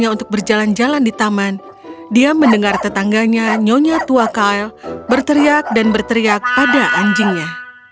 hanya untuk berjalan jalan di taman dia mendengar tetangganya nyonya tua kale berteriak dan berteriak pada anjingnya